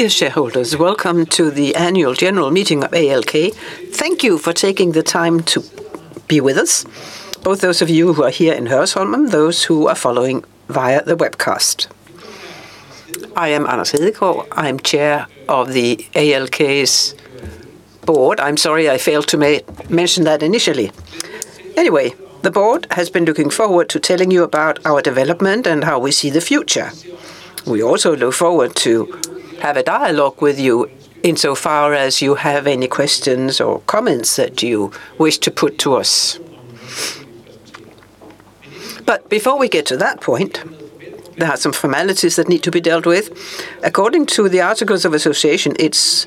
Dear shareholders, welcome to the annual general meeting of ALK. Thank you for taking the time to be with us, both those of you who are here in Hørsholm and those who are following via the webcast. I am Anders Hedegaard. I'm chair of the ALK's board. I'm sorry I failed to mention that initially. Anyway, the board has been looking forward to telling you about our development and how we see the future. We also look forward to have a dialogue with you insofar as you have any questions or comments that you wish to put to us. Before we get to that point, there are some formalities that need to be dealt with. According to the articles of association, it's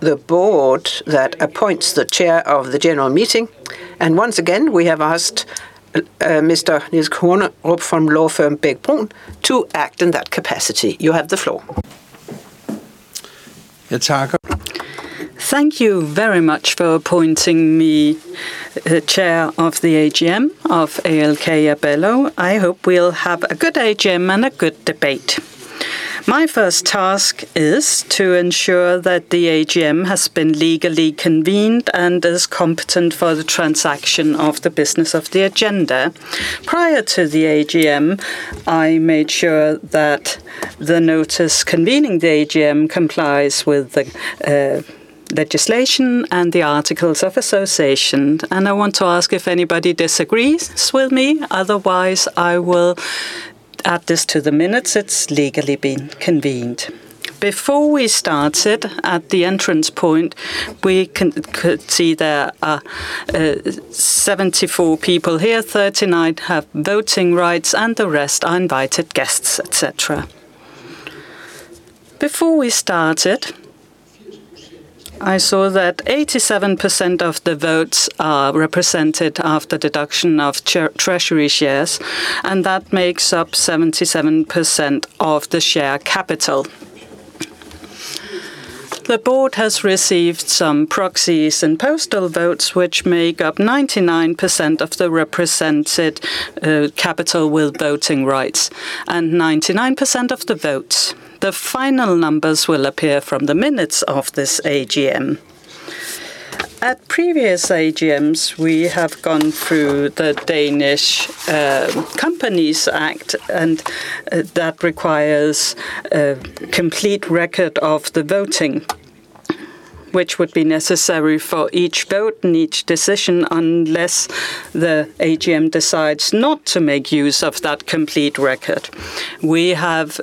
the board that appoints the chair of the general meeting. Once again, we have asked, Mr. Niels Kornerup from law firm Bech-Bruun to act in that capacity. You have the floor. Thank you very much for appointing me, chair of the AGM of ALK-Abelló. I hope we'll have a good AGM and a good debate. My first task is to ensure that the AGM has been legally convened and is competent for the transaction of the business of the agenda. Prior to the AGM, I made sure that the notice convening the AGM complies with the legislation and the articles of association, and I want to ask if anybody disagrees with me. Otherwise, I will add this to the minutes. It's legally been convened. Before we started at the entrance point, we could see there are 74 people here. 39 have voting rights, and the rest are invited guests, et cetera. Before we started, I saw that 87% of the votes are represented after deduction of treasury shares, and that makes up 77% of the share capital. The board has received some proxies and postal votes, which make up 99% of the represented capital with voting rights and 99% of the votes. The final numbers will appear from the minutes of this AGM. At previous AGMs, we have gone through the Danish Companies Act, and that requires a complete record of the voting, which would be necessary for each vote and each decision unless the AGM decides not to make use of that complete record. We have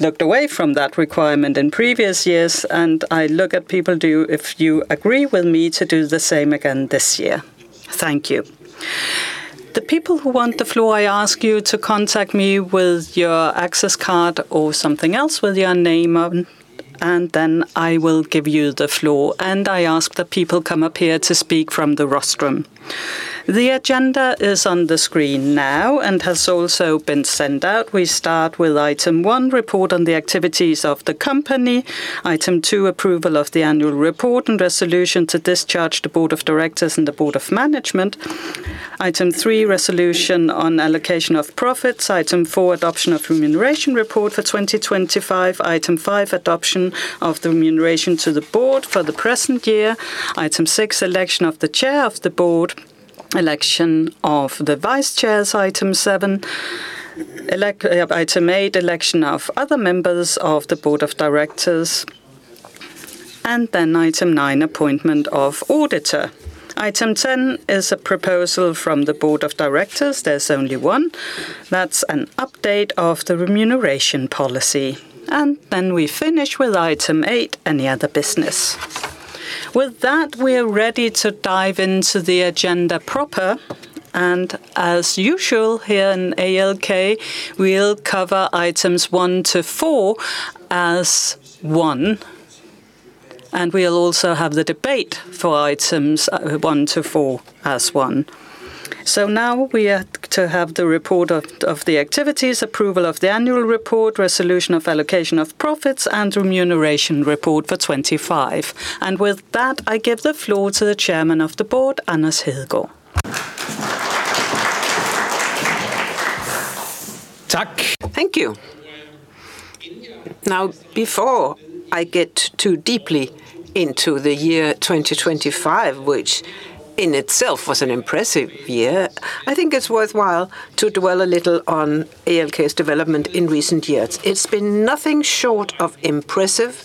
looked away from that requirement in previous years, and I look at people if you agree with me to do the same again this year. Thank you. The people who want the floor, I ask you to contact me with your access card or something else with your name on, and then I will give you the floor. I ask that people come up here to speak from the rostrum. The agenda is on the screen now and has also been sent out. We start with item 1, report on the activities of the company. Item 2, approval of the annual report and resolution to discharge the Board of Directors and the Board of Management. Item 3, resolution on allocation of profits. Item 4, adoption of remuneration report for 2025. Item 5, adoption of the remuneration to the Board for the present year. Item 6, election of the chair of the Board. Election of the vice chairs, item 7. Item 8, election of other members of the Board of Directors. Item 9, appointment of auditor. Item 10 is a proposal from the Board of Directors. There's only one. That's an update of the remuneration policy. We finish with item 8, any other business. With that, we're ready to dive into the agenda proper, and as usual here in ALK, we'll cover items 1 to 4 as one, and we'll also have the debate for items 1 to 4 as one. Now we are to have the report of the activities, approval of the annual report, resolution of allocation of profits, and remuneration report for 2025. With that, I give the floor to the Chairman of the Board, Anders Hedegaard. Thank you. Now, before I get too deeply into the year 2025, which in itself was an impressive year, I think it's worthwhile to dwell a little on ALK's development in recent years. It's been nothing short of impressive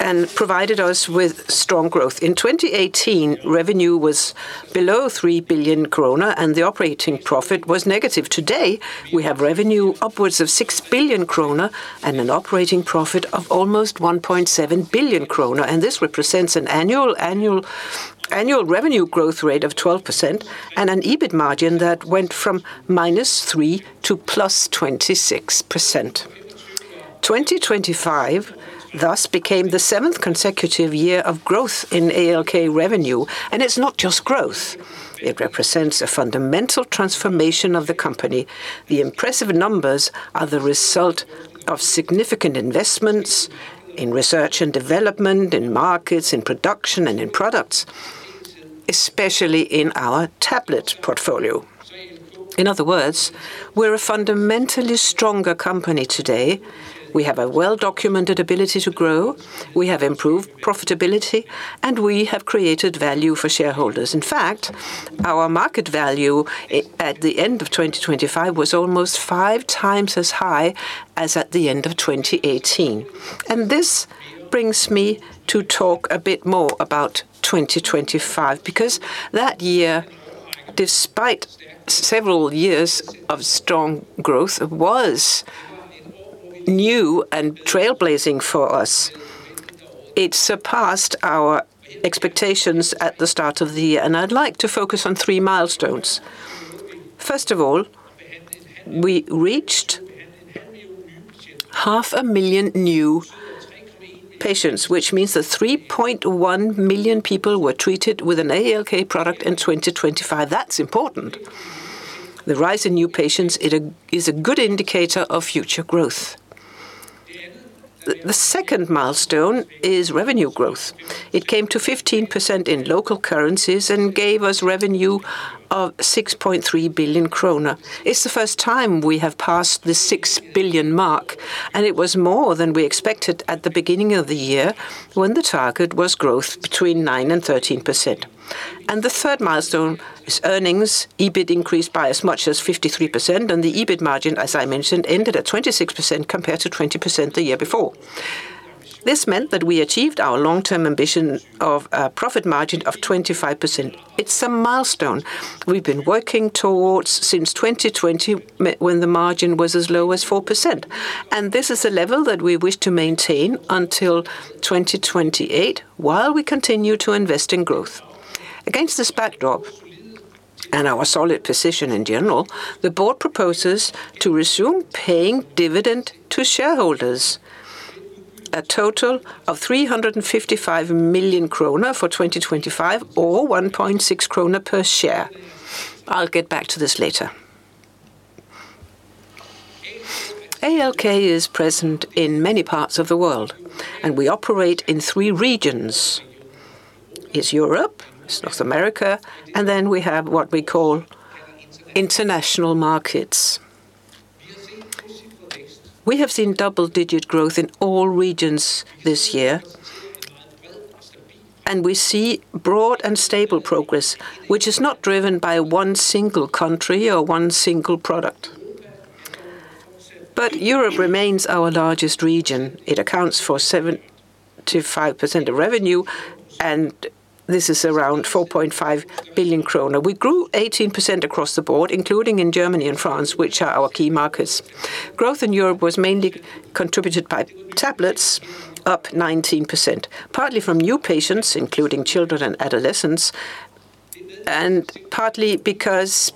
and provided us with strong growth. In 2018, revenue was below 3 billion kroner and the operating profit was negative. Today, we have revenue upwards of 6 billion kroner and an operating profit of almost 1.7 billion kroner, and this represents an annual revenue growth rate of 12% and an EBIT margin that went from -3% to +26%. 2025 thus became the seventh consecutive year of growth in ALK revenue, and it's not just growth. It represents a fundamental transformation of the company. The impressive numbers are the result of significant investments in research and development, in markets, in production, and in products. Especially in our tablet portfolio. In other words, we're a fundamentally stronger company today. We have a well-documented ability to grow, we have improved profitability, and we have created value for shareholders. In fact, our market value at the end of 2025 was almost 5x as high as at the end of 2018. This brings me to talk a bit more about 2025, because that year, despite several years of strong growth, was new and trailblazing for us. It surpassed our expectations at the start of the year, and I'd like to focus on three milestones. First of all, we reached 500,000 new patients, which means that 3.1 million people were treated with an ALK product in 2025. That's important. The rise in new patients is a good indicator of future growth. The second milestone is revenue growth. It came to 15% in local currencies and gave us revenue of 6.3 billion kroner. It's the first time we have passed the 6 billion mark, and it was more than we expected at the beginning of the year, when the target was growth between 9% and 13%. The third milestone is earnings. EBIT increased by as much as 53%, and the EBIT margin, as I mentioned, ended at 26% compared to 20% the year before. This meant that we achieved our long-term ambition of a profit margin of 25%. It's a milestone we've been working towards since 2020 when the margin was as low as 4%, and this is a level that we wish to maintain until 2028 while we continue to invest in growth. Against this backdrop and our solid position in general, the board proposes to resume paying dividend to shareholders, a total of 355 million kroner for 2025 or 1.6 kroner per share. I'll get back to this later. ALK is present in many parts of the world, and we operate in 3 regions. It's Europe, it's North America, and then we have what we call international markets. We have seen double-digit growth in all regions this year, and we see broad and stable progress, which is not driven by one single country or one single product. Europe remains our largest region. It accounts for 75% of revenue, and this is around 4.5 billion kroner. We grew 18% across the board, including in Germany and France, which are our key markets. Growth in Europe was mainly contributed by tablets, up 19%, partly from new patients, including children and adolescents, and partly because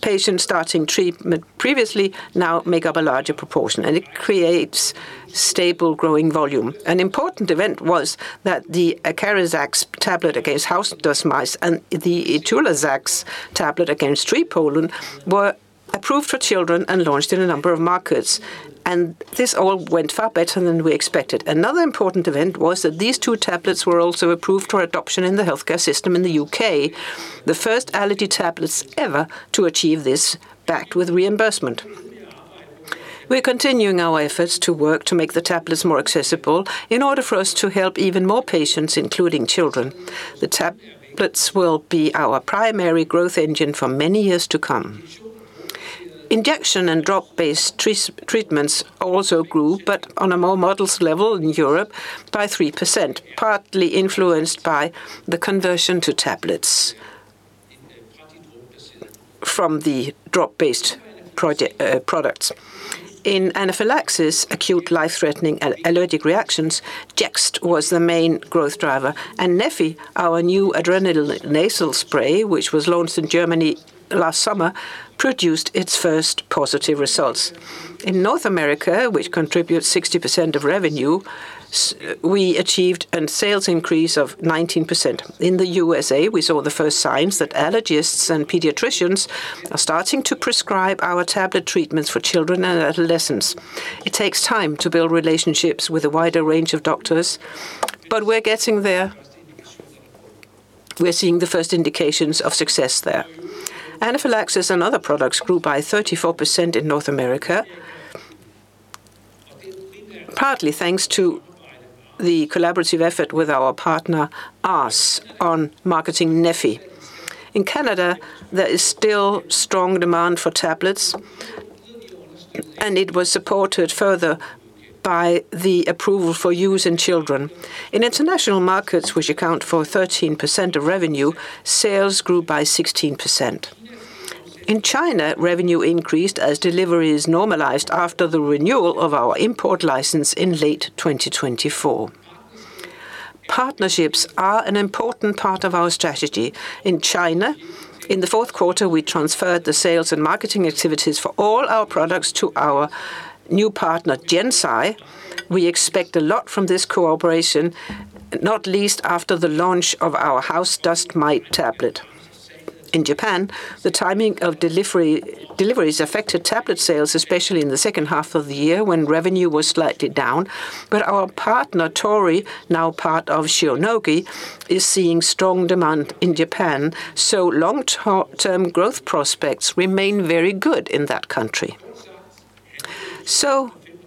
patients starting treatment previously now make up a larger proportion, and it creates stable growing volume. An important event was that the ACARIZAX tablet against house dust mites and the ITULAZAX tablet against tree pollen were approved for children and launched in a number of markets. This all went far better than we expected. Another important event was that these two tablets were also approved for adoption in the healthcare system in the U.K., The first allergy tablets ever to achieve this backed with reimbursement. We're continuing our efforts to work to make the tablets more accessible in order for us to help even more patients, including children. The tablets will be our primary growth engine for many years to come. Injection and drop-based treatments also grew, but on a more modest level in Europe by 3%, partly influenced by the conversion to tablets from the drop-based products. In anaphylaxis, acute life-threatening allergic reactions, Jext was the main growth driver. neffy, our new adrenaline nasal spray, which was launched in Germany last summer, produced its first positive results. In North America, which contributes 60% of revenue, we achieved a sales increase of 19%. In the USA, we saw the first signs that allergists and pediatricians are starting to prescribe our tablet treatments for children and adolescents. It takes time to build relationships with a wider range of doctors, but we're getting there. We're seeing the first indications of success there. Anaphylaxis and other products grew by 34% in North America, partly thanks to the collaborative effort with our partner, ARS Pharma, on marketing neffy. In Canada, there is still strong demand for tablets, and it was supported further by the approval for use in children. In international markets, which account for 13% of revenue, sales grew by 16%. In China, revenue increased as delivery is normalized after the renewal of our import license in late 2024. Partnerships are an important part of our strategy. In China, in the fourth quarter, we transferred the sales and marketing activities for all our products to our new partner, GenSci. We expect a lot from this cooperation, not least after the launch of our house dust mite tablet. In Japan, the timing of delivery, deliveries affected tablet sales, especially in the second half of the year when revenue was slightly down. Our partner Torii, now part of Shionogi, is seeing strong demand in Japan, so long-term growth prospects remain very good in that country.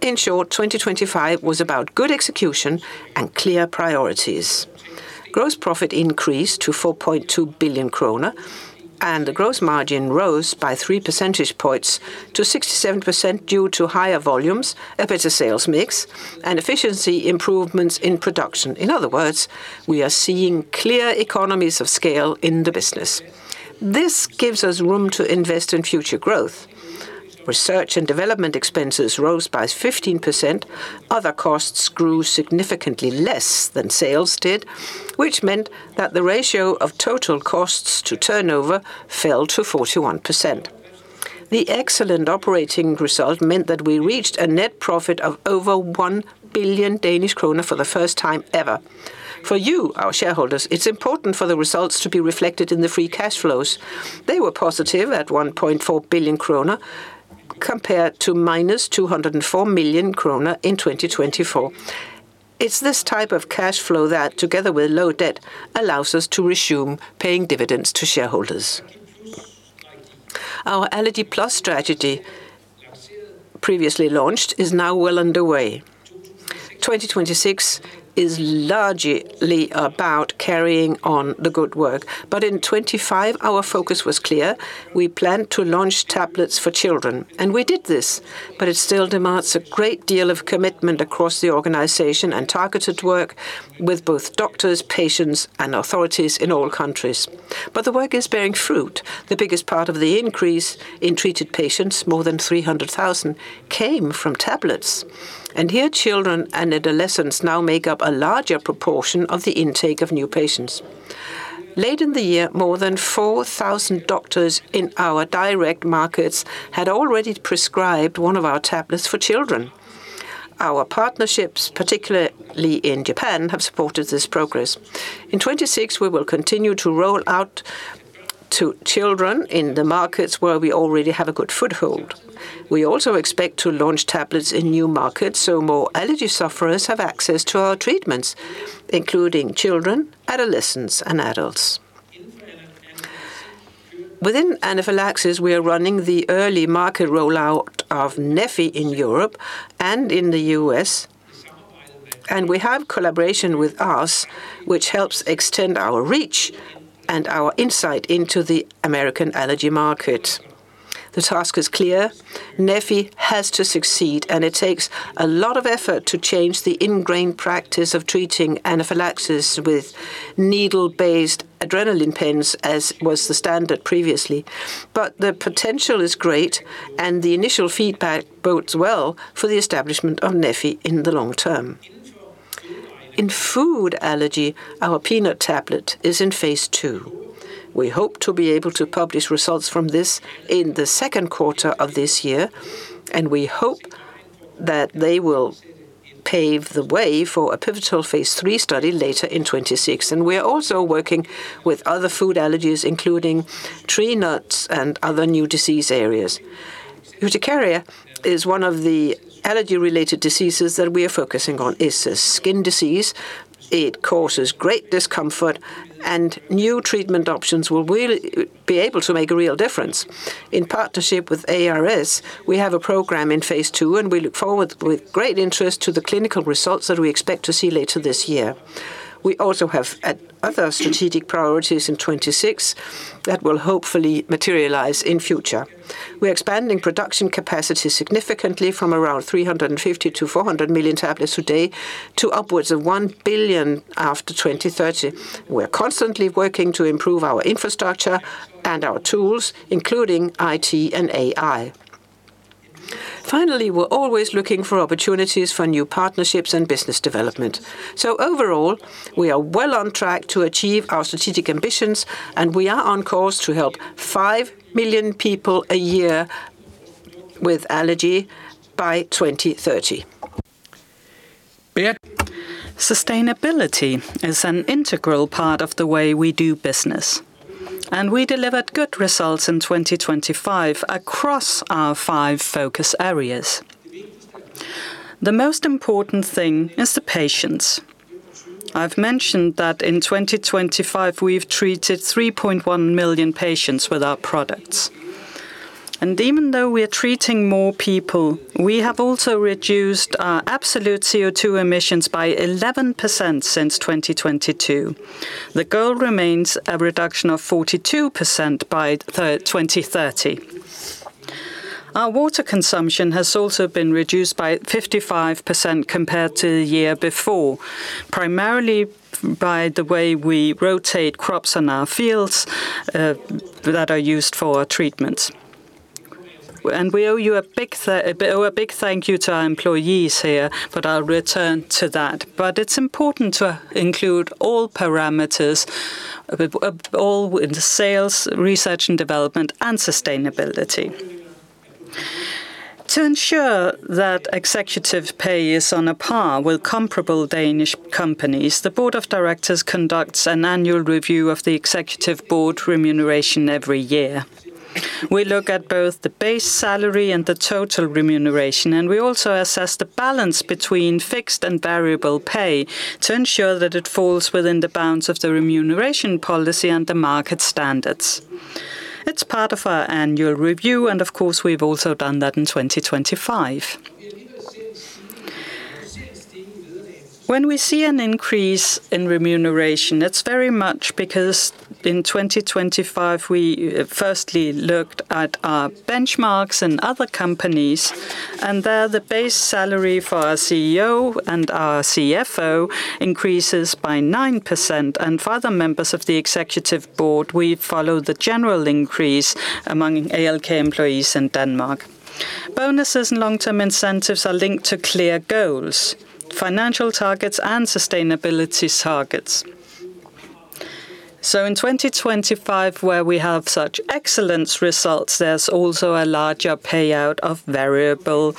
In short, 2025 was about good execution and clear priorities. Gross profit increased to 4.2 billion kroner, and the gross margin rose by three percentage points to 67% due to higher volumes, a better sales mix, and efficiency improvements in production. In other words, we are seeing clear economies of scale in the business. This gives us room to invest in future growth. Research and development expenses rose by 15%. Other costs grew significantly less than sales did, which meant that the ratio of total costs to turnover fell to 41%. The excellent operating result meant that we reached a net profit of over 1 billion Danish kroner for the first time ever. For you, our shareholders, it's important for the results to be reflected in the free cash flows. They were positive at 1.4 billion krone compared to -204 million krone in 2024. It's this type of cash flow that, together with low debt, allows us to resume paying dividends to shareholders. Our Allergy+ strategy previously launched is now well underway. 2026 is largely about carrying on the good work. In 2025 our focus was clear. We planned to launch tablets for children, and we did this, but it still demands a great deal of commitment across the organization and targeted work with both doctors, patients, and authorities in all countries. The work is bearing fruit. The biggest part of the increase in treated patients, more than 300,000, came from tablets. Here children and adolescents now make up a larger proportion of the intake of new patients. Late in the year, more than 4,000 doctors in our direct markets had already prescribed one of our tablets for children. Our partnerships, particularly in Japan, have supported this progress. In 2026, we will continue to roll out to children in the markets where we already have a good foothold. We also expect to launch tablets in new markets, so more allergy sufferers have access to our treatments, including children, adolescents, and adults. Within anaphylaxis, we are running the early market rollout of neffy in Europe and in the U.S., and we have collaboration with ARS which helps extend our reach and our insight into the American allergy market. The task is clear. neffy has to succeed, and it takes a lot of effort to change the ingrained practice of treating anaphylaxis with needle-based adrenaline pens, as was the standard previously. The potential is great, and the initial feedback bodes well for the establishment of neffy in the long term. In food allergy, our peanut tablet is in phase II. We hope to be able to publish results from this in the second quarter of this year, and we hope that they will pave the way for a pivotal phase III study later in 2026. We are also working with other food allergies, including tree nuts and other new disease areas. Urticaria is one of the allergy-related diseases that we are focusing on. It's a skin disease. It causes great discomfort and new treatment options will really be able to make a real difference. In partnership with ARS, we have a program in phase II, and we look forward with great interest to the clinical results that we expect to see later this year. We also have other strategic priorities in 2026 that will hopefully materialize in future. We're expanding production capacity significantly from around 350 million-400 million tablets today to upwards of 1 billion after 2030. We're constantly working to improve our infrastructure and our tools, including IT and AI. Finally, we're always looking for opportunities for new partnerships and business development. Overall, we are well on track to achieve our strategic ambitions, and we are on course to help 5 million people a year with allergy by 2030. Sustainability is an integral part of the way we do business, and we delivered good results in 2025 across our five focus areas. The most important thing is the patients. I've mentioned that in 2025 we've treated 3.1 million patients with our products. Even though we are treating more people, we have also reduced our absolute CO2 emissions by 11% since 2022. The goal remains a reduction of 42% by 2030. Our water consumption has also been reduced by 55% compared to the year before, primarily by the way we rotate crops in our fields that are used for our treatments. We owe a big thank you to our employees here, but I'll return to that. It's important to include all parameters all in the sales, research and development, and sustainability. To ensure that executive pay is on a par with comparable Danish companies, the board of directors conducts an annual review of the executive board remuneration every year. We look at both the base salary and the total remuneration, and we also assess the balance between fixed and variable pay to ensure that it falls within the bounds of the remuneration policy and the market standards. It's part of our annual review, and of course, we've also done that in 2025. When we see an increase in remuneration, it's very much because in 2025 we firstly looked at our benchmarks in other companies, and there the base salary for our CEO and our CFO increases by 9%. For other members of the executive board, we follow the general increase among ALK employees in Denmark. Bonuses and long-term incentives are linked to clear goals, financial targets, and sustainability targets. In 2025, where we have such excellent results, there's also a larger payout of variable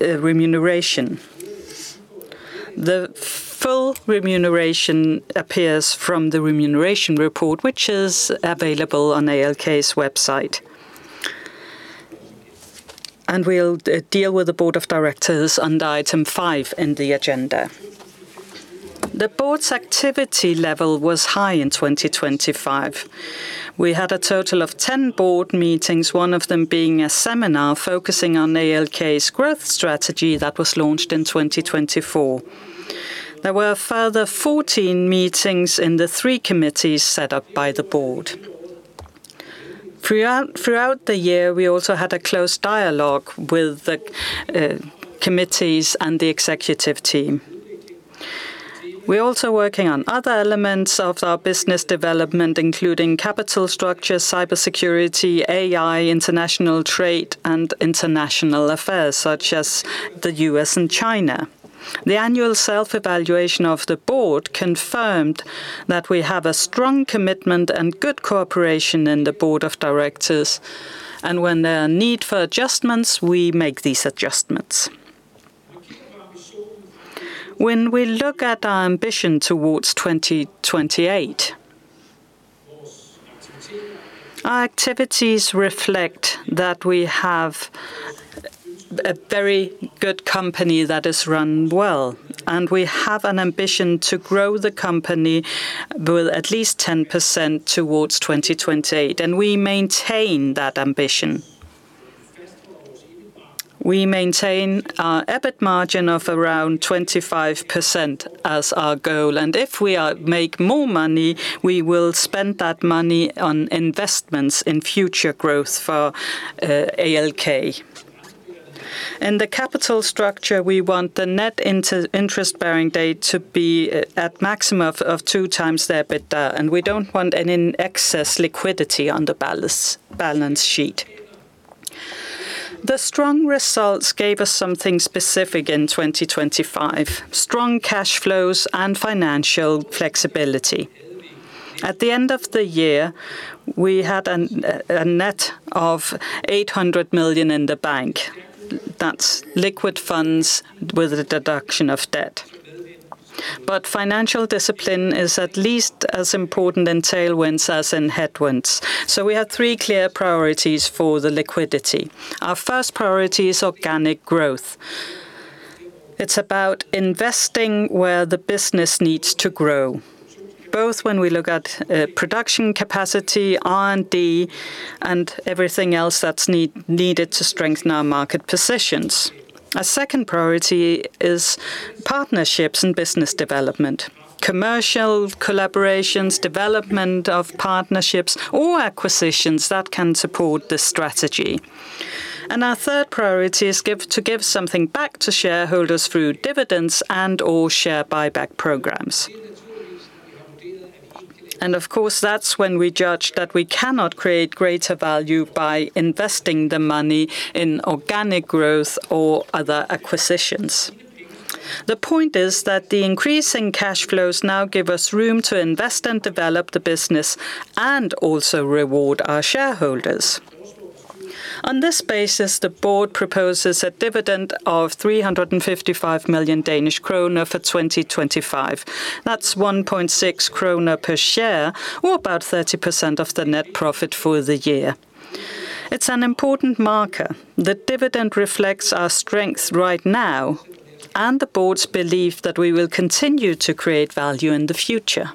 remuneration. The full remuneration appears from the Remuneration Report, which is available on ALK's website. We'll deal with the Board of Directors under item 5 in the agenda. The Board's activity level was high in 2025. We had a total of 10 Board meetings, one of them being a seminar focusing on ALK's growth strategy that was launched in 2024. There were further 14 meetings in the three committees set up by the Board. Throughout the year, we also had a close dialogue with the committees and the Executive Team. We're also working on other elements of our business development, including capital structure, cybersecurity, AI, international trade, and international affairs, such as the U.S. and China. The annual self-evaluation of the board confirmed that we have a strong commitment and good cooperation in the board of directors, and when there are need for adjustments, we make these adjustments. When we look at our ambition toward 2028, our activities reflect that we have a very good company that is run well, and we have an ambition to grow the company with at least 10% toward 2028, and we maintain that ambition. We maintain our EBIT margin of around 25% as our goal. If we make more money, we will spend that money on investments in future growth for ALK. In the capital structure, we want the net interest-bearing debt to be at maximum of two times the EBITDA, and we don't want any excess liquidity on the balance sheet. The strong results gave us something specific in 2025. Strong cash flows and financial flexibility. At the end of the year, we had a net of 800 million in the bank. That's liquid funds with the deduction of debt. Financial discipline is at least as important in tailwinds as in headwinds, so we have three clear priorities for the liquidity. Our first priority is organic growth. It's about investing where the business needs to grow, both when we look at production capacity, R&D, and everything else that's needed to strengthen our market positions. Our second priority is partnerships and business development. Commercial collaborations, development of partnerships, or acquisitions that can support this strategy. Our third priority is to give something back to shareholders through dividends and/or share buyback programs. Of course, that's when we judge that we cannot create greater value by investing the money in organic growth or other acquisitions. The point is that the increase in cash flows now give us room to invest and develop the business and also reward our shareholders. On this basis, the board proposes a dividend of 355 million Danish kroner for 2025. That's 1.6 kroner per share, or about 30% of the net profit for the year. It's an important marker. The dividend reflects our strength right now and the board's belief that we will continue to create value in the future.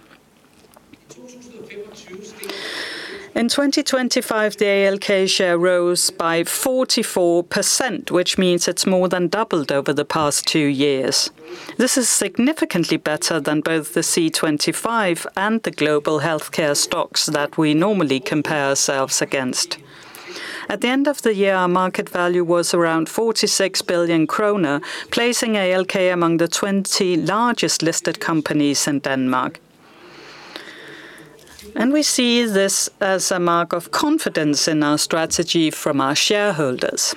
In 2025, the ALK share rose by 44%, which means it's more than doubled over the past two years. This is significantly better than both the C25 and the global healthcare stocks that we normally compare ourselves against. At the end of the year, our market value was around 46 billion kroner, placing ALK among the 20 largest listed companies in Denmark. We see this as a mark of confidence in our strategy from our shareholders.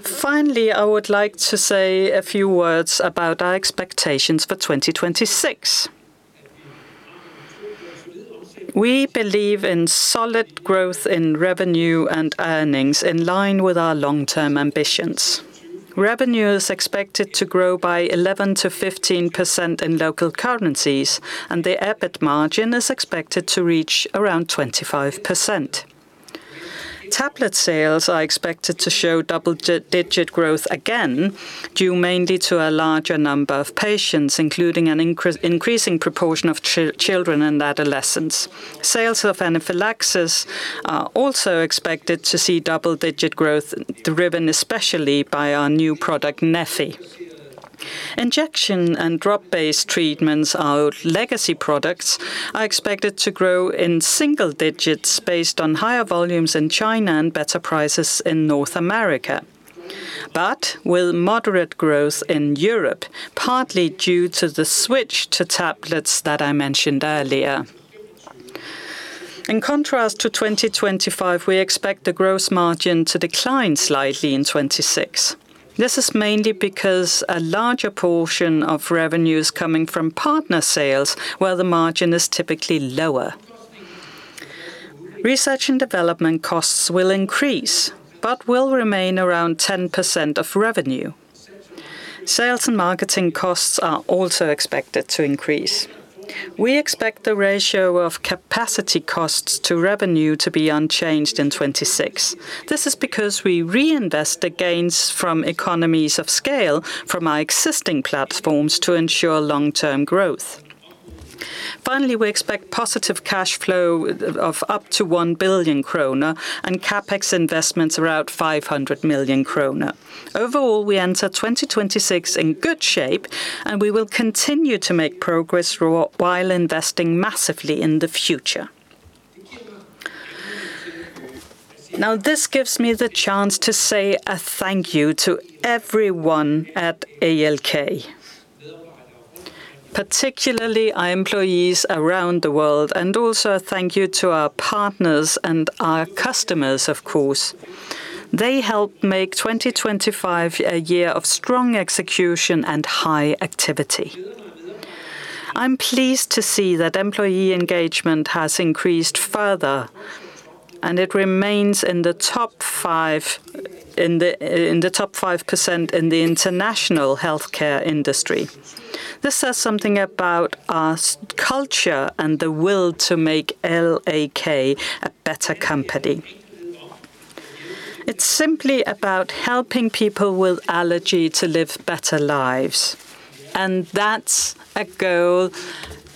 Finally, I would like to say a few words about our expectations for 2026. We believe in solid growth in revenue and earnings in line with our long-term ambitions. Revenue is expected to grow by 11%-15% in local currencies, and the EBIT margin is expected to reach around 25%. Tablet sales are expected to show double-digit growth again, due mainly to a larger number of patients, including an increasing proportion of children and adolescents. Sales of anaphylaxis are also expected to see double-digit growth, driven especially by our new product, neffy. Injection and drop-based treatments, our legacy products, are expected to grow in single digits based on higher volumes in China and better prices in North America. With moderate growth in Europe, partly due to the switch to tablets that I mentioned earlier. In contrast to 2025, we expect the gross margin to decline slightly in 2026. This is mainly because a larger portion of revenue is coming from partner sales, where the margin is typically lower. Research and development costs will increase, but will remain around 10% of revenue. Sales and marketing costs are also expected to increase. We expect the ratio of capacity costs to revenue to be unchanged in 2026. This is because we reinvest the gains from economies of scale from our existing platforms to ensure long-term growth. Finally, we expect positive cash flow of up to 1 billion kroner and CapEx investments around 500 million kroner. Overall, we enter 2026 in good shape, and we will continue to make progress while investing massively in the future. Now, this gives me the chance to say a thank you to everyone at ALK, particularly our employees around the world, and also a thank you to our partners and our customers, of course. They helped make 2025 a year of strong execution and high activity. I'm pleased to see that employee engagement has increased further, and it remains in the top five. In the top 5% in the international healthcare industry. This says something about our culture and the will to make ALK a better company. It's simply about helping people with allergy to live better lives, and that's a goal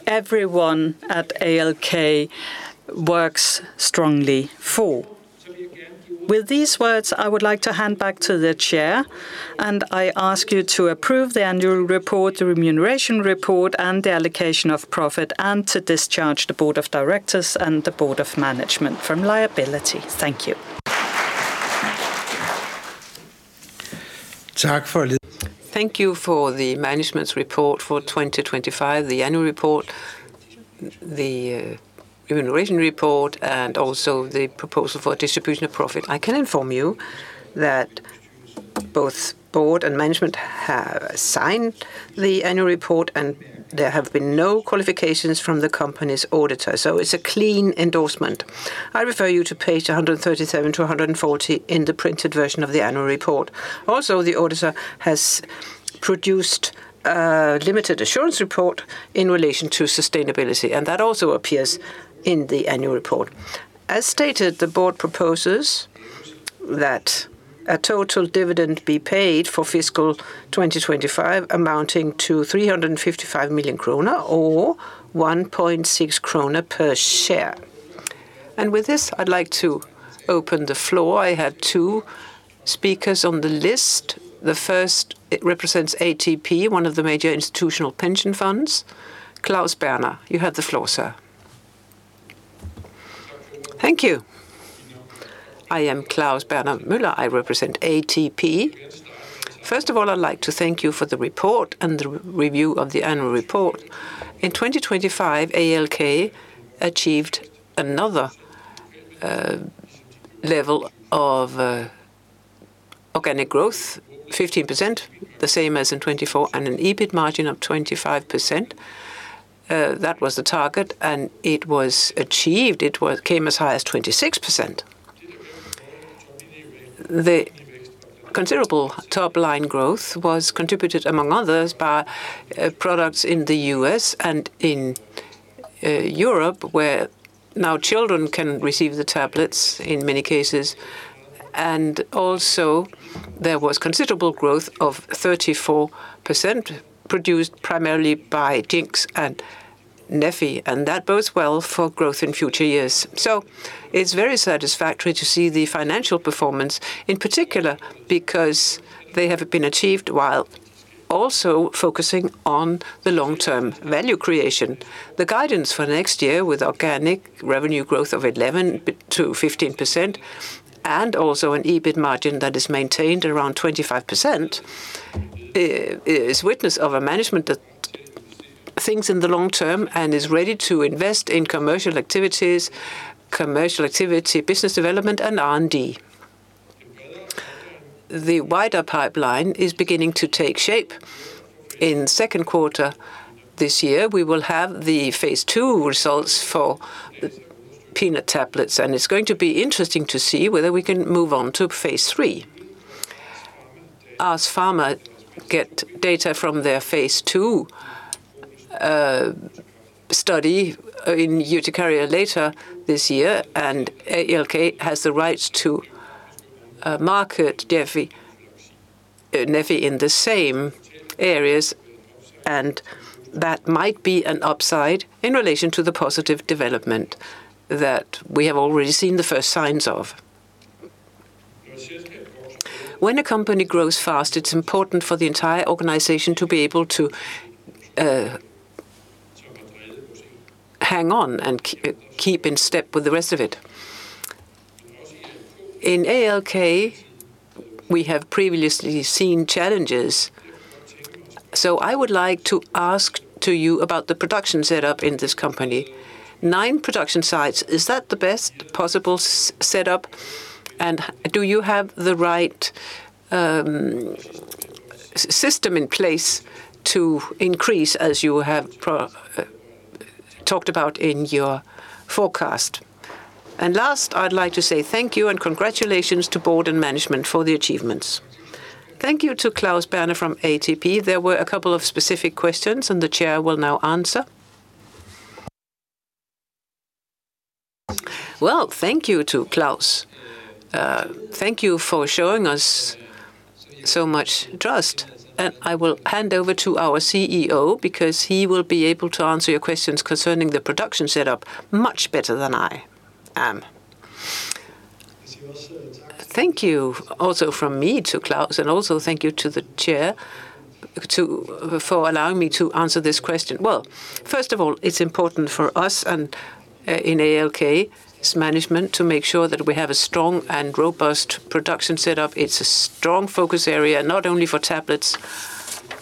everyone at ALK works strongly for. With these words, I would like to hand back to the Chair, and I ask you to approve the annual report, the remuneration report, and the allocation of profit, and to discharge the board of directors and the board of management from liability. Thank you. Thank you for the management's report for 2025, the annual report, the remuneration report, and also the proposal for distribution of profit. I can inform you that both board and management have signed the annual report, and there have been no qualifications from the company's auditor, so it's a clean endorsement. I refer you to page 137 to 140 in the printed version of the annual report. Also, the auditor has produced limited assurance report in relation to sustainability, and that also appears in the annual report. As stated, the board proposes that a total dividend be paid for fiscal 2025 amounting to 355 million krone or 1.6 krone per share. With this, I'd like to open the floor. I have two speakers on the list. The first, it represents ATP, one of the major institutional pension funds. Claus Berner, you have the floor, sir. Thank you. I am Claus Berner Møller. I represent ATP. First of all, I'd like to thank you for the report and the review of the annual report. In 2025, ALK achieved another level of organic growth, 15%, the same as in 2024, and an EBIT margin of 25%. That was the target, and it was achieved. It came as high as 26%. The considerable top-line growth was contributed, among others, by products in the U.S. and in Europe, where now children can receive the tablets in many cases. Also, there was considerable growth of 34%, produced primarily by Jext and neffy, and that bodes well for growth in future years. It's very satisfactory to see the financial performance, in particular because they have been achieved while also focusing on the long-term value creation. The guidance for next year with organic revenue growth of 11%-15% and also an EBIT margin that is maintained around 25% is witness of a management that thinks in the long term and is ready to invest in commercial activities, business development, and R&D. The wider pipeline is beginning to take shape. In second quarter this year, we will have the phase II results for peanut tablets, and it's going to be interesting to see whether we can move on to phase III. ARS Pharma gets data from their phase II study in urticaria later this year and ALK has the rights to market neffy in the same areas, and that might be an upside in relation to the positive development that we have already seen the first signs of. When a company grows fast, it's important for the entire organization to be able to hang on and keep in step with the rest of it. In ALK, we have previously seen challenges. I would like to ask you about the production setup in this company. Nine production sites, is that the best possible setup? Do you have the right system in place to increase as you have talked about in your forecast? Last, I'd like to say thank you and congratulations to board and management for the achievements. Thank you to Claus Berner from ATP. There were a couple of specific questions, and the chair will now answer. Well, thank you to Claus. Thank you for showing us so much trust. I will hand over to our CEO because he will be able to answer your questions concerning the production setup much better than I am. Thank you also from me to Claus, and also thank you to the chair for allowing me to answer this question. Well, first of all, it's important for us and in ALK's management to make sure that we have a strong and robust production setup. It's a strong focus area, not only for tablets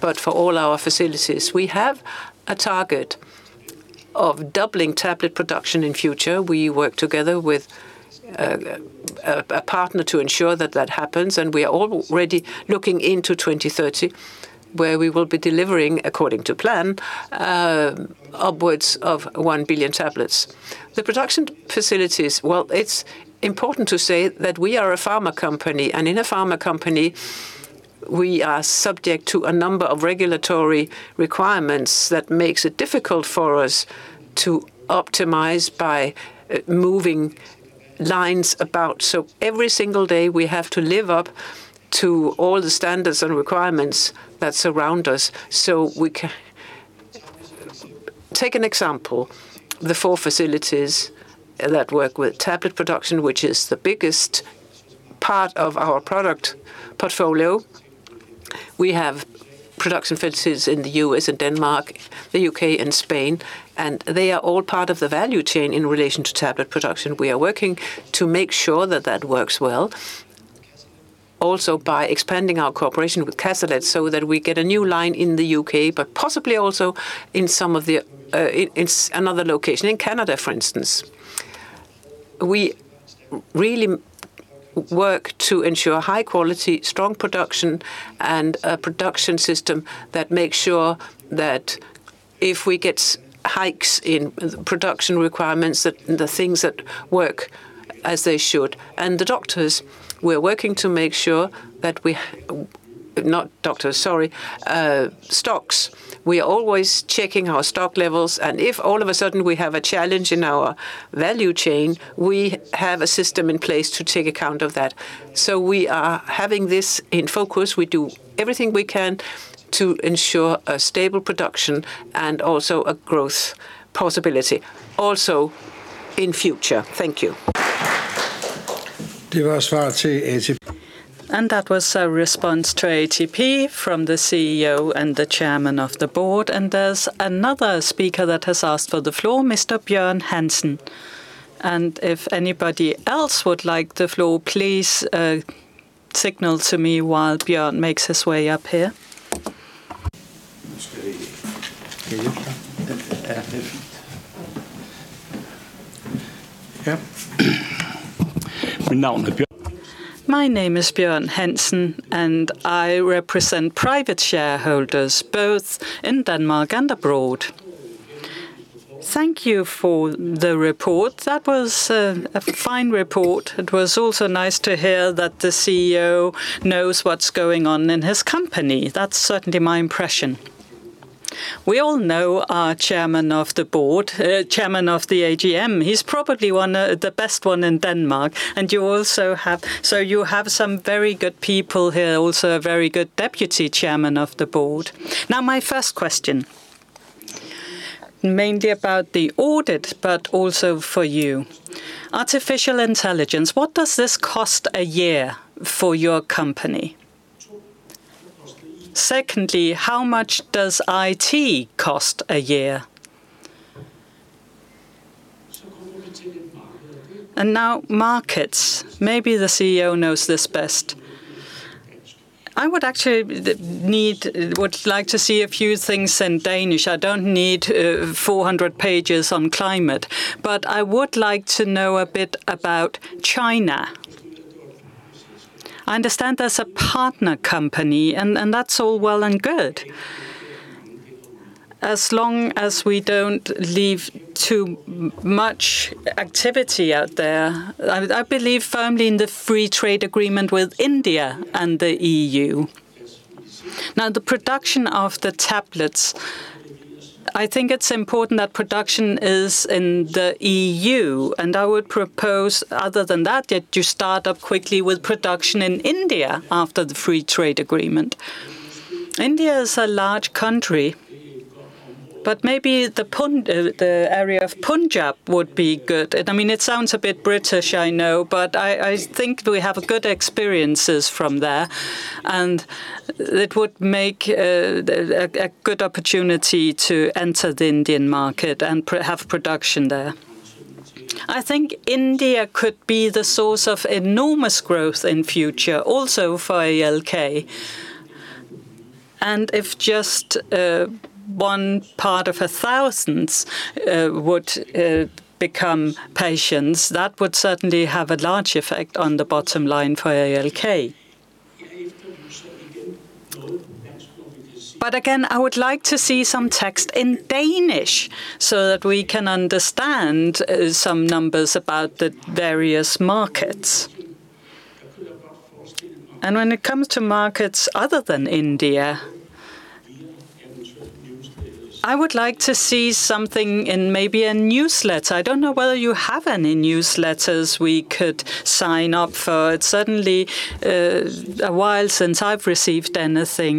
but for all our facilities. We have a target of doubling tablet production in future. We work together with a partner to ensure that that happens, and we are already looking into 2030, where we will be delivering, according to plan, upwards of 1 billion tablets. The production facilities, well, it's important to say that we are a pharma company, and in a pharma company, we are subject to a number of regulatory requirements that makes it difficult for us to optimize by moving lines about. Every single day, we have to live up to all the standards and requirements that surround us, so we can take an example. The four facilities that work with tablet production, which is the biggest part of our product portfolio. We have production facilities in the U.S. and Denmark, the U.K. and Spain, and they are all part of the value chain in relation to tablet production. We are working to make sure that that works well, also by expanding our cooperation with Catalent so that we get a new line in the U.K., but possibly also in some of the in another location, in Canada, for instance. We really work to ensure high quality, strong production, and a production system that makes sure that if we get hikes in production requirements, that the things that work as they should. Stocks. We are always checking our stock levels, and if all of a sudden we have a challenge in our value chain, we have a system in place to take account of that. We are having this in focus. We do everything we can to ensure a stable production and also a growth possibility, also in future. Thank you. That was a response to ATP from the CEO and the chairman of the board. There's another speaker that has asked for the floor, Mr. Björn Hansson. If anybody else would like the floor, please, signal to me while Björn makes his way up here. My name is Björn Hansson, and I represent private shareholders both in Denmark and abroad. Thank you for the report. That was a fine report. It was also nice to hear that the CEO knows what's going on in his company. That's certainly my impression. We all know our chairman of the board, chairman of the AGM. He's probably one, the best one in Denmark. You have some very good people here, also a very good deputy chairman of the board. Now, my first question, mainly about the audit, but also for you. Artificial intelligence, what does this cost a year for your company? Secondly, how much does IT cost a year? And now markets, maybe the CEO knows this best. I would actually like to see a few things in Danish. I don't need 400 pages on climate, but I would like to know a bit about China. I understand there's a partner company, and that's all well and good. As long as we don't leave too much activity out there. I believe firmly in the free trade agreement with India and the EU. Now, the production of the tablets, I think it's important that production is in the EU, and I would propose other than that you start up quickly with production in India after the free trade agreement. India is a large country, but maybe the area of Punjab would be good. I mean, it sounds a bit British, I know, but I think we have good experiences from there, and it would make a good opportunity to enter the Indian market and have production there. I think India could be the source of enormous growth in future also for ALK. If just one in a thousand would become patients, that would certainly have a large effect on the bottom line for ALK. Again, I would like to see some text in Danish so that we can understand some numbers about the various markets. When it comes to markets other than India, I would like to see something in maybe a newsletter. I don't know whether you have any newsletters we could sign up for. It's certainly a while since I've received anything,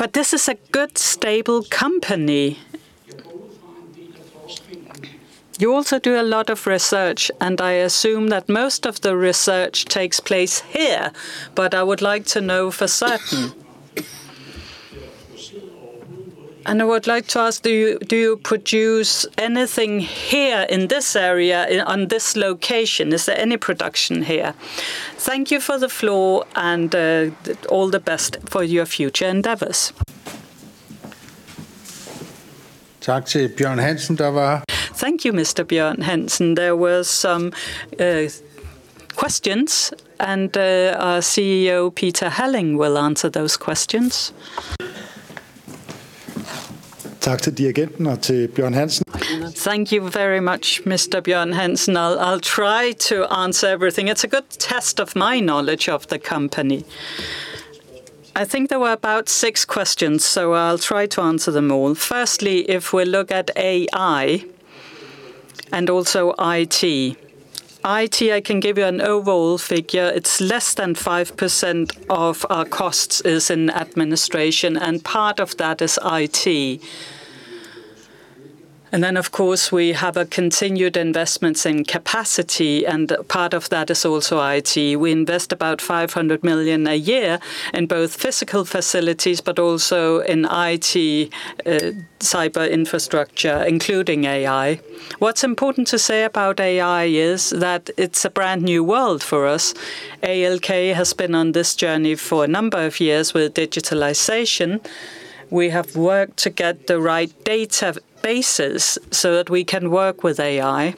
but this is a good stable company. You also do a lot of research, and I assume that most of the research takes place here, but I would like to know for certain. I would like to ask, do you produce anything here in this area, on this location? Is there any production here? Thank you for the floor and all the best for your future endeavors. Thank you, Mr. Björn Hansson. There were some questions, and our CEO, Peter Halling, will answer those questions. Thank you very much, Mr. Björn Hansson. I'll try to answer everything. It's a good test of my knowledge of the company. I think there were about six questions, so I'll try to answer them all. Firstly, if we look at AI and also IT. IT, I can give you an overall figure. It's less than 5% of our costs is in administration, and part of that is IT. Then of course we have a continued investments in capacity, and part of that is also IT. We invest about 500 million a year in both physical facilities but also in IT, cyber infrastructure, including AI. What's important to say about AI is that it's a brand-new world for us. ALK has been on this journey for a number of years with digitalization. We have worked to get the right databases so that we can work with AI,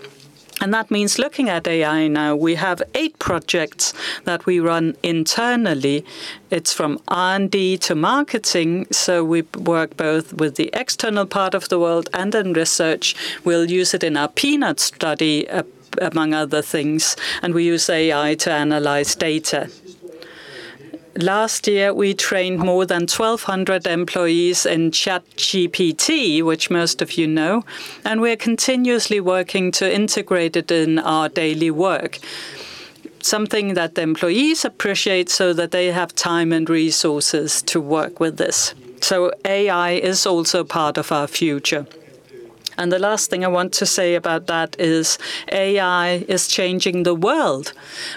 and that means looking at AI now. We have eight projects that we run internally. It's from R&D to marketing, so we work both with the external part of the world and in research. We'll use it in our peanut study among other things, and we use AI to analyze data. Last year, we trained more than 1,200 employees in ChatGPT, which most of you know, and we're continuously working to integrate it in our daily work. Something that the employees appreciate so that they have time and resources to work with this. AI is also part of our future. The last thing I want to say about that is AI is changing the world.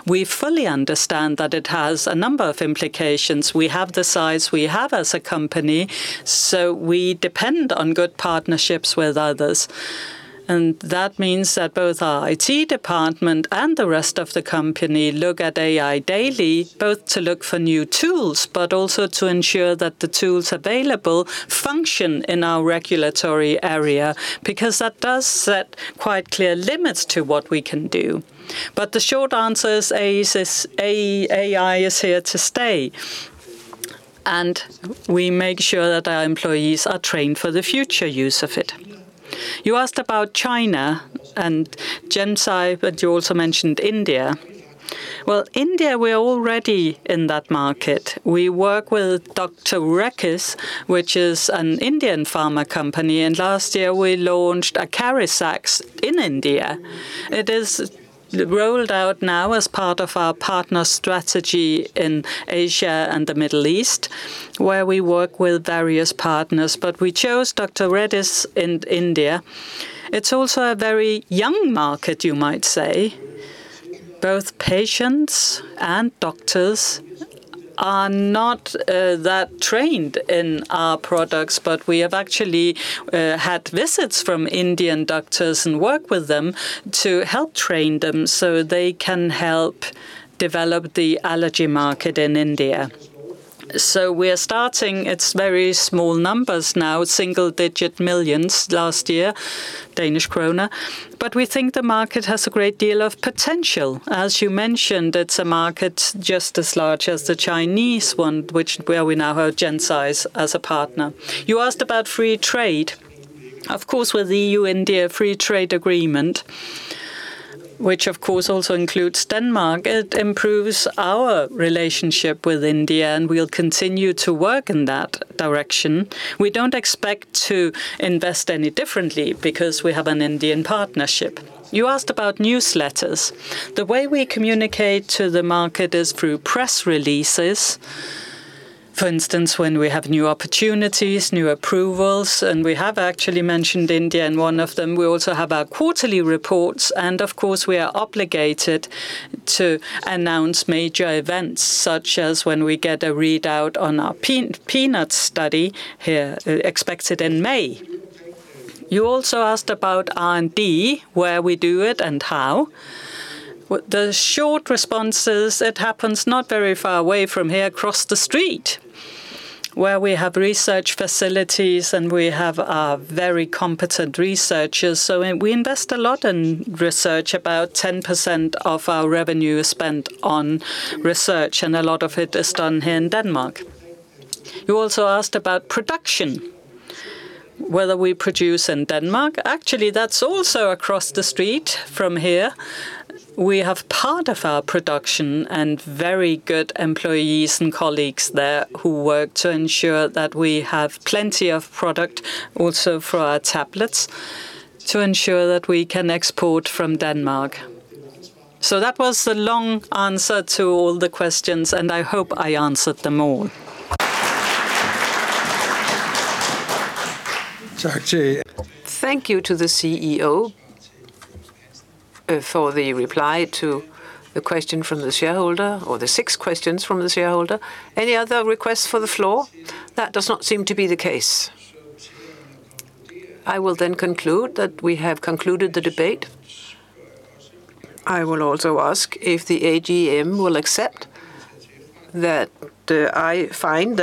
We fully understand that it has a number of implications. We have the size we have as a company, so we depend on good partnerships with others. That means that both our IT department and the rest of the company look at AI daily, both to look for new tools, but also to ensure that the tools available function in our regulatory area because that does set quite clear limits to what we can do. The short answer is AI is here to stay, and we make sure that our employees are trained for the future use of it. You asked about China and GenSci, but you also mentioned India. Well, India, we are already in that market. We work with Dr. Reddy's, which is an Indian pharma company, and last year we launched ACARIZAX in India. It is rolled out now as part of our partner strategy in Asia and the Middle East, where we work with various partners. We chose Dr. Reddy's in India. It's also a very young market, you might say. Both patients and doctors are not that trained in our products, but we have actually had visits from Indian doctors and work with them to help train them so they can help develop the allergy market in India. We are starting, it's very small numbers now, single digit millions last year, Danish krona. We think the market has a great deal of potential. As you mentioned, it's a market just as large as the Chinese one, which, where we now have GenSci as a partner. You asked about free trade. Of course, with the EU-India Free Trade Agreement, which of course also includes Denmark, it improves our relationship with India, and we'll continue to work in that direction. We don't expect to invest any differently because we have an Indian partnership. You asked about newsletters. The way we communicate to the market is through press releases. For instance, when we have new opportunities, new approvals, and we have actually mentioned India in one of them. We also have our quarterly reports. Of course, we are obligated to announce major events, such as when we get a readout on our peanut study here, expected in May. You also asked about R&D, where we do it and how. The short response is it happens not very far away from here, across the street, where we have research facilities and we have very competent researchers. We invest a lot in research. About 10% of our revenue is spent on research, and a lot of it is done here in Denmark. You also asked about production, whether we produce in Denmark. Actually, that's also across the street from here. We have part of our production and very good employees and colleagues there who work to ensure that we have plenty of product also for our tablets to ensure that we can export from Denmark. That was the long answer to all the questions, and I hope I answered them all. Thank you to the CEO for the reply to the question from the shareholder or the six questions from the shareholder. Any other requests for the floor? That does not seem to be the case. I will then conclude that we have concluded the debate. I will also ask if the AGM will accept that I find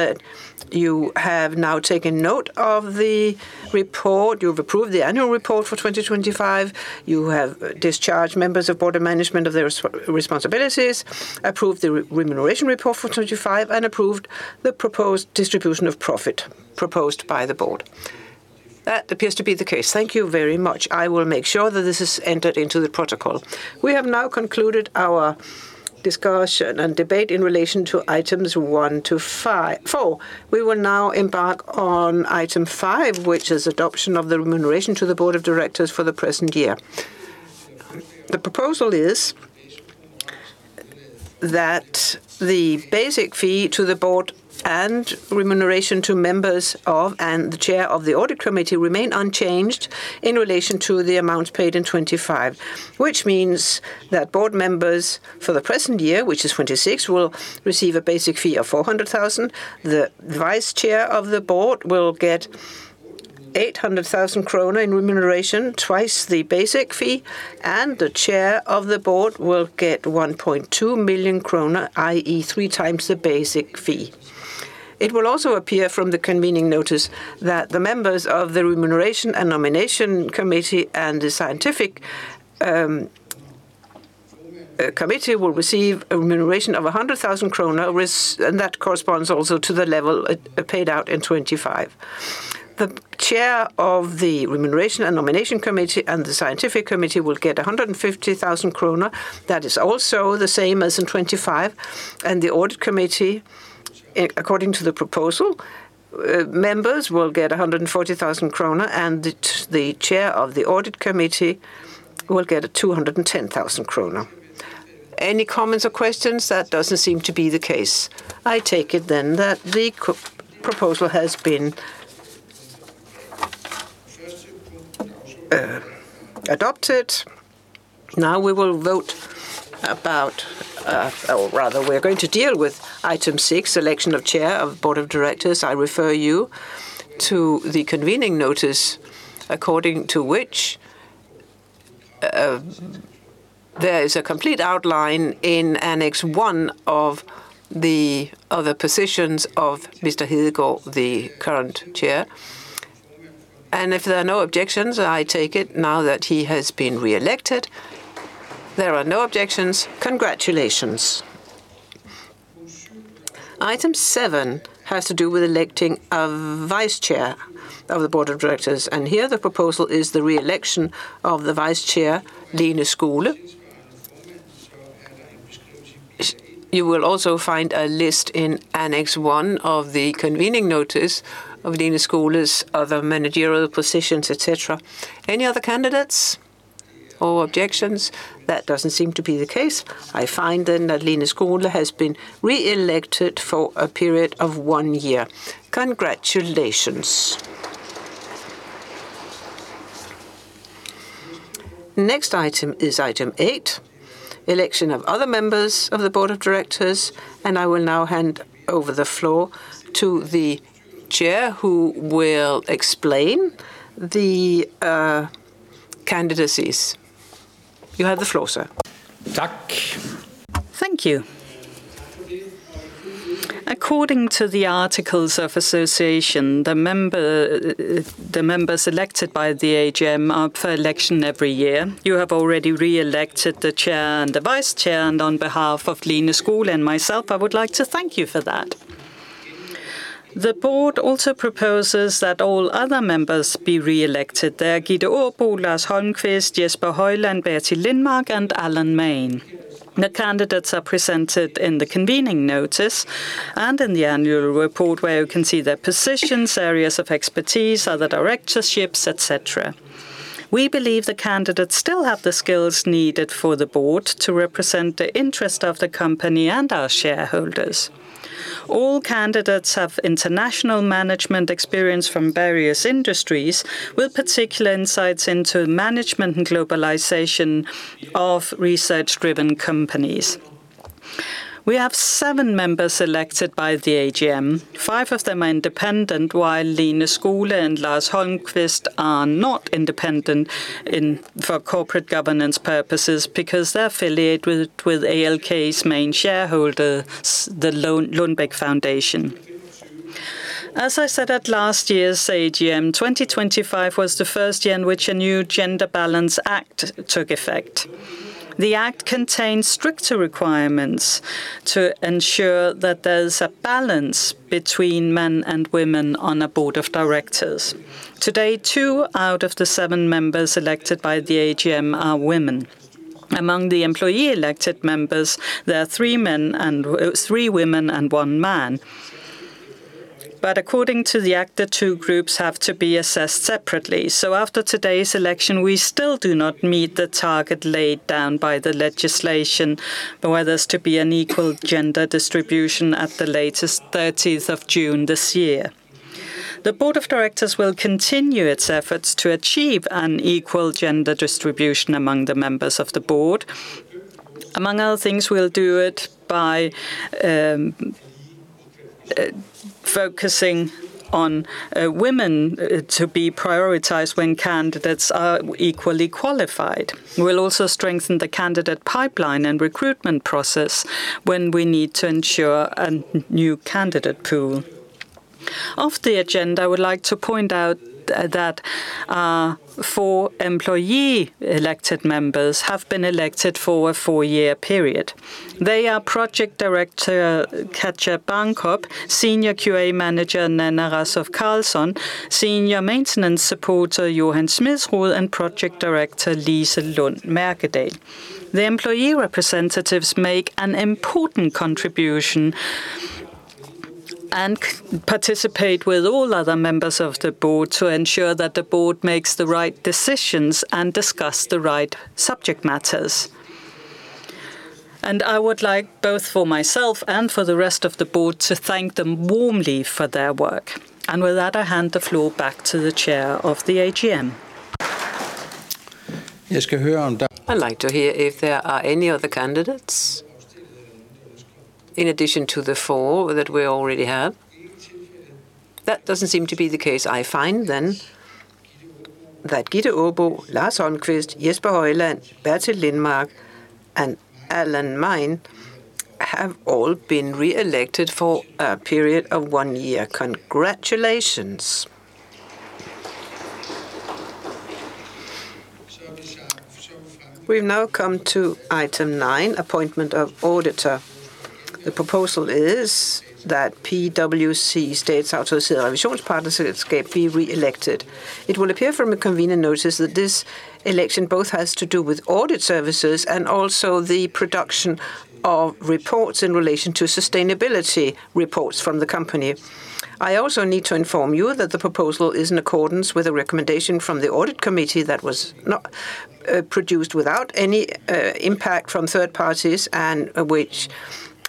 that you have now taken note of the report. You've approved the annual report for 2025. You have discharged members of board of management of their responsibilities, approved the remuneration report for 2025, and approved the proposed distribution of profit proposed by the board. That appears to be the case. Thank you very much. I will make sure that this is entered into the protocol. We have now concluded our discussion and debate in relation to items 1 to 4. We will now embark on item 5, which is adoption of the remuneration to the Board of Directors for the present year. The proposal is that the basic fee to the Board and remuneration to members of, and the Chair of the Audit Committee remain unchanged in relation to the amounts paid in 2025. Which means that Board members for the present year, which is 2026, will receive a basic fee of 400,000. The Vice Chair of the Board will get 800,000 kroner in remuneration, twice the basic fee, and the Chair of the Board will get 1.2 million kroner, i.e. three times the basic fee. It will also appear from the convening notice that the members of the Remuneration & Nomination Committee and the Scientific Committee will receive a remuneration of 100,000 krone, which and that corresponds also to the level paid out in 2025. The chair of the Remuneration & Nomination Committee and the Scientific Committee will get 150,000 kroner. That is also the same as in 2025. The Audit Committee, according to the proposal, members will get 140,000 krone, and the chair of the Audit Committee will get 210,000 krone. Any comments or questions? That doesn't seem to be the case. I take it then that the proposal has been adopted. Now we will vote about, or rather we're going to deal with item 6, election of Chair of the Board of Directors. I refer you to the convening notice according to which, there is a complete outline in Annex 1 of the other positions of Mr. Hedegaard, the current Chair. If there are no objections, I take it now that he has been re-elected. There are no objections. Congratulations. Item 7 has to do with electing a Vice Chair of the Board of Directors, and here the proposal is the re-election of the Vice Chair, Lene Skole. You will also find a list in Annex 1 of the convening notice of Lene Skole's other managerial positions, et cetera. Any other candidates or objections? That doesn't seem to be the case. I find then that Lene Skole has been re-elected for a period of one year. Congratulations. Next item is item 8, election of other members of the board of directors, and I will now hand over the floor to the chair who will explain the candidacies. You have the floor, sir. Tak. Thank you. According to the articles of association, the members elected by the AGM are up for election every year. You have already re-elected the chair and the vice chair, and on behalf of Lene Skole and myself, I would like to thank you for that. The board also proposes that all other members be re-elected. They are Gitte Aabo, Lars Holmqvist, Jesper Høiland, Bertil Lindmark, and Alan Main. The candidates are presented in the convening notice and in the annual report where you can see their positions, areas of expertise, other directorships, et cetera. We believe the candidates still have the skills needed for the board to represent the interest of the company and our shareholders. All candidates have international management experience from various industries, with particular insights into management and globalization of research-driven companies. We have seven members elected by the AGM. Five of them are independent, while Lene Skole and Lars Holmqvist are not independent in for corporate governance purposes because they're affiliated with ALK's main shareholder The Lundbeck Foundation. As I said at last year's AGM, 2025 was the first year in which a new Gender Balance Act took effect. The act contains stricter requirements to ensure that there's a balance between men and women on a board of directors. Today, two out of the seven members elected by the AGM are women. Among the employee elected members, there are three women and one man. According to the act, the two groups have to be assessed separately. After today's election, we still do not meet the target laid down by the legislation for there's to be an equal gender distribution at the latest 30th of June this year. The board of directors will continue its efforts to achieve an equal gender distribution among the members of the board. Among other things, we'll do it by focusing on women to be prioritized when candidates are equally qualified. We'll also strengthen the candidate pipeline and recruitment process when we need to ensure a new candidate pool. On the agenda, I would like to point out that four employee elected members have been elected for a four-year period. They are Project Director Katja Barnkob, Senior QA Manager Nanna Rassov Carlson, Senior Maintenance Supporter Johan Smedsrud, and Project Director Lise Lund Mærkedahl. The employee representatives make an important contribution and participate with all other members of the board to ensure that the board makes the right decisions and discuss the right subject matters. I would like both for myself and for the rest of the board to thank them warmly for their work. With that, I hand the floor back to the chair of the AGM. I'd like to hear if there are any other candidates in addition to the four that we already have. That doesn't seem to be the case. I find then that Gitte Aabo, Lars Holmqvist, Jesper Høiland, Bertil Lindmark, and Alan Main have all been re-elected for a period of one year. Congratulations. We've now come to item 9, appointment of auditor. The proposal is that PwC Statsautoriseret Revisionspartnerselskab be re-elected. It will appear from a convening notice that this election both has to do with audit services and also the production of reports in relation to sustainability reports from the company. I also need to inform you that the proposal is in accordance with a recommendation from the audit committee that was not produced without any impact from third parties, and which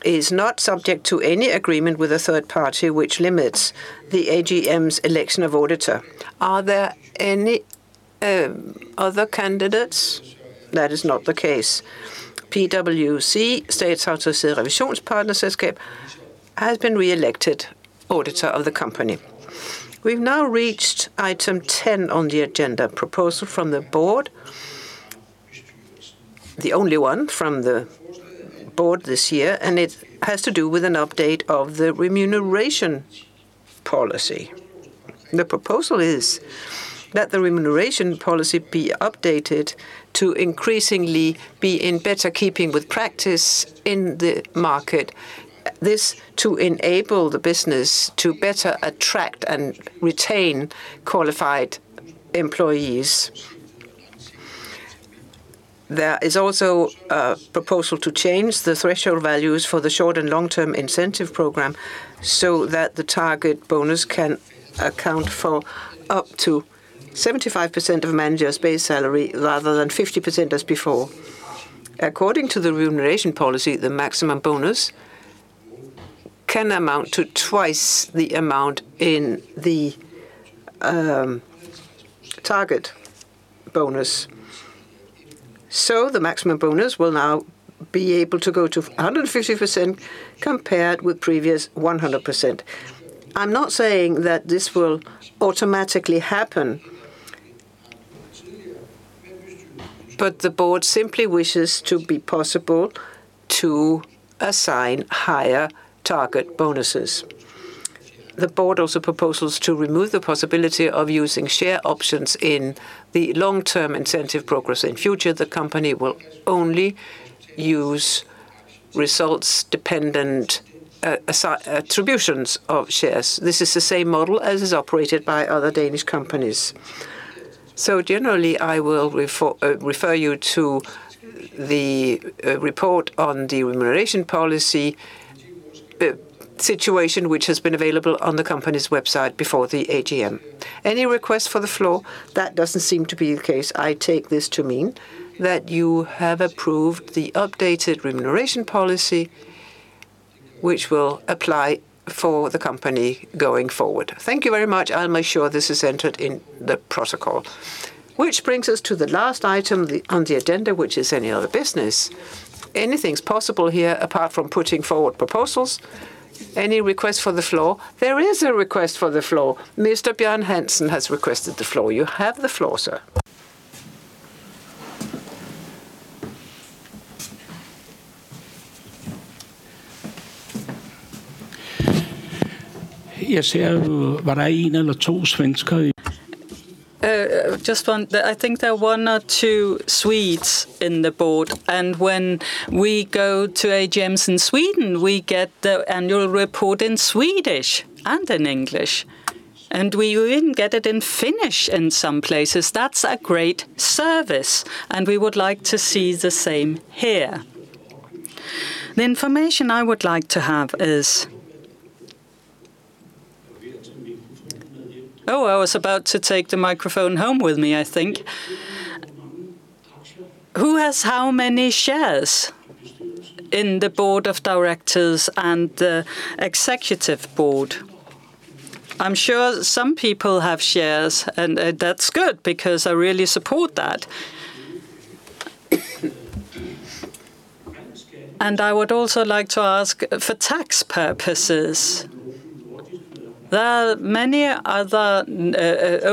is not subject to any agreement with a third party which limits the AGM's election of auditor. Are there any other candidates? That is not the case. PwC Statsautoriseret Revisionspartnerselskab has been re-elected auditor of the company. We've now reached item 10 on the agenda, proposal from the board, the only one from the board this year, and it has to do with an update of the remuneration policy. The proposal is that the remuneration policy be updated to increasingly be in better keeping with practice in the market. This to enable the business to better attract and retain qualified employees. There is also a proposal to change the threshold values for the short and long-term incentive program so that the target bonus can account for up to 75% of a manager's base salary rather than 50% as before. According to the remuneration policy, the maximum bonus can amount to twice the amount in the target bonus. The maximum bonus will now be able to go to 150% compared with previous 100%. I'm not saying that this will automatically happen. The board simply wishes to be possible to assign higher target bonuses. The board also proposes to remove the possibility of using share options in the long-term incentive program. In future, the company will only use results-dependent attributions of shares. This is the same model as is operated by other Danish companies. Generally, I will refer you to the report on the remuneration policy situation which has been available on the company's website before the AGM. Any requests for the floor? That doesn't seem to be the case. I take this to mean that you have approved the updated remuneration policy which will apply for the company going forward. Thank you very much. I'll make sure this is entered in the protocol. Which brings us to the last item on the agenda, which is any other business. Anything's possible here apart from putting forward proposals. Any requests for the floor? There is a request for the floor. Mr. Björn Hansson has requested the floor. You have the floor, sir. Just one. I think there are one or two Swedes in the board, and when we go to AGMs in Sweden, we get the annual report in Swedish and in English, and we even get it in Finnish in some places. That's a great service, and we would like to see the same here. The information I would like to have is. Oh, I was about to take the microphone home with me, I think. Who has how many shares in the board of directors and the executive board? I'm sure some people have shares, and that's good because I really support that. I would also like to ask for tax purposes. There are many other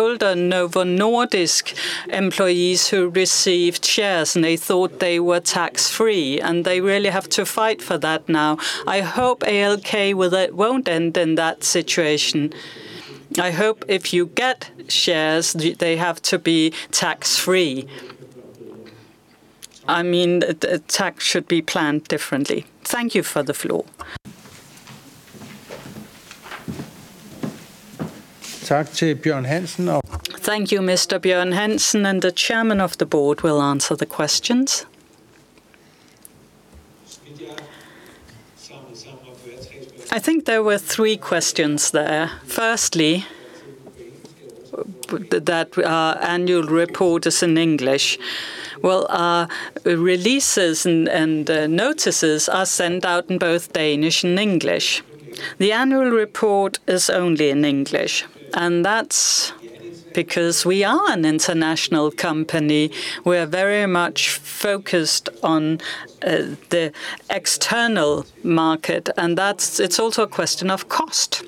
older Novo Nordisk employees who received shares, and they thought they were tax-free, and they really have to fight for that now. I hope ALK won't end in that situation. I hope if you get shares, they have to be tax-free. I mean, the tax should be planned differently. Thank you for the floor. Thank you, Mr. Björn Hansson, and the chairman of the board will answer the questions. I think there were three questions there. Firstly, that our annual report is in English. Well, our releases and notices are sent out in both Danish and English. The annual report is only in English, and that's because we are an international company. We're very much focused on the external market, and that's also a question of cost.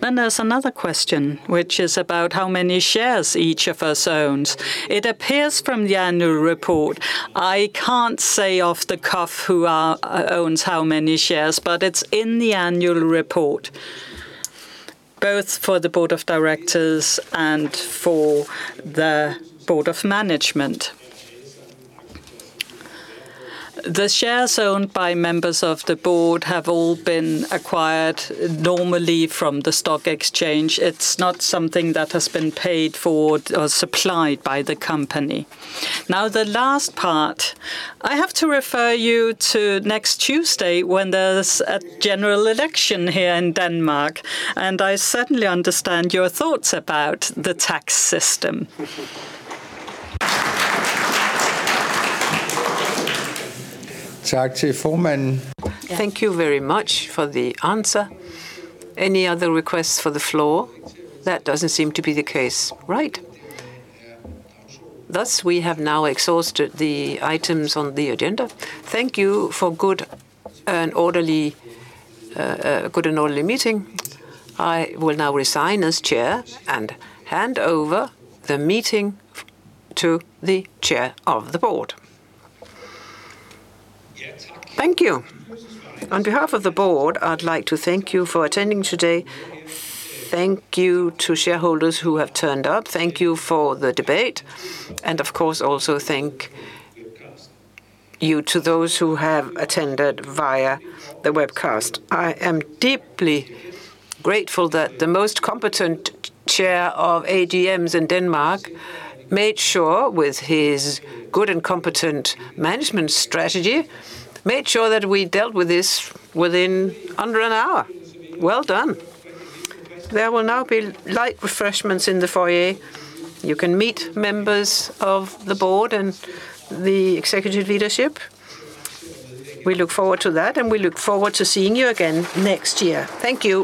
There's another question, which is about how many shares each of us owns. It appears from the annual report. I can't say off the cuff who owns how many shares, but it's in the annual report, both for the board of directors and for the board of management. The shares owned by members of the board have all been acquired normally from the stock exchange. It's not something that has been paid for or supplied by the company. Now, the last part, I have to refer you to next Tuesday when there's a general election here in Denmark, and I certainly understand your thoughts about the tax system. Thank you very much for the answer. Any other requests for the floor? That doesn't seem to be the case. Right. Thus, we have now exhausted the items on the agenda. Thank you for good and orderly meeting. I will now resign as chair and hand over the meeting to the Chair of the Board. Thank you. On behalf of the board, I'd like to thank you for attending today. Thank you to shareholders who have turned up. Thank you for the debate, and of course, also thank you to those who have attended via the webcast. I am deeply grateful that the most competent chair of AGMs in Denmark made sure, with his good and competent management strategy, that we dealt with this under an hour. Well done. There will now be light refreshments in the foyer. You can meet members of the board and the executive leadership. We look forward to that, and we look forward to seeing you again next year. Thank you.